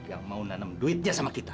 yang mau nanam duitnya sama kita